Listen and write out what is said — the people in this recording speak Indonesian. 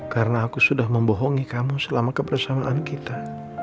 karena aku sudah membohongi kamu selama kebersamaan kita